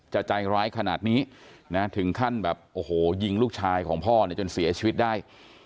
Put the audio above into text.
จะก็จะจ่ายกันแหละนี้เหนือถึงขั้นแบบโอ้โหยิงลูกชายของพ่อไปจันเสียชีวิตได้